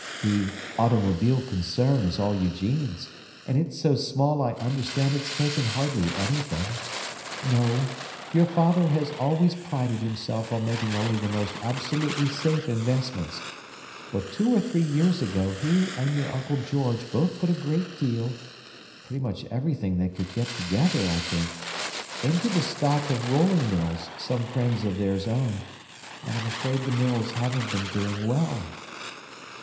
"The 'automobile concern' is all Eugene's, and it's so small I understand it's taken hardly anything. No; your father has always prided himself on making only the most absolutely safe investments, but two or three years ago he and your Uncle George both put a great deal—pretty much everything they could get together, I think—into the stock of rolling mills some friends of theirs owned, and I'm afraid the mills haven't been doing well."